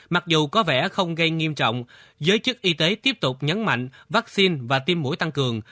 mặc dù có vẻ không gây nghiêm trọng giới chức y tế tiếp tục nhấn mạnh vaccine và tiêm mũi tăng cường